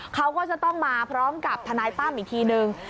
เขาก็จะต้องมาพร้อมกับทนายตั้มอีกทีนึง